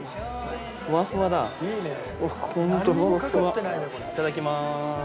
いただきまーす。